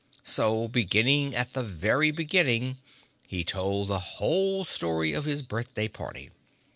So beginning at the very beginning he told the whole story of his birthday party.